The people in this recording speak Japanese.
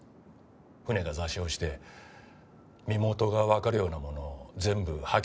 船が座礁して身元がわかるようなものを全部破棄したんでしょう。